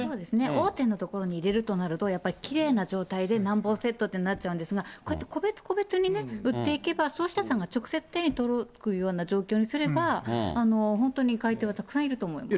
大手の所に入れるとなるとやっぱり、きれいな状態で何本セットってなっちゃうんですが、こうやって個別個別に売っていけば、消費者さんが直接手に届くような状況にすれば、本当に買い手はたくさんいると思います。